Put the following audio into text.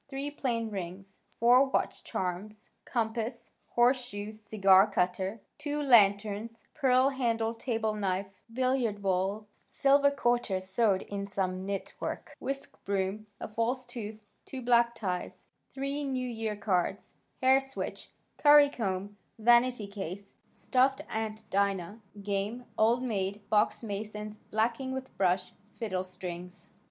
Three plain rings, four watch charms, compass, horseshoe cigar cutter, two lanterns, pearl handled table knife, billiard ball, silver quarter sewed in some knit work, whisk broom, a false tooth, two black ties, three New Year cards, hair switch, curry comb, vanity case, stuffed Aunt Dinah, game "Old Maid," box Mason's blacking with brush, fiddle strings.